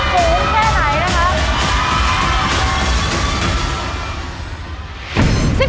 ที่เท่าไหร่